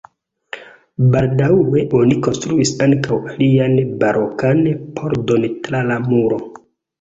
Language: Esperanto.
Baldaŭe oni konstruis ankaŭ alian barokan pordon tra la muro.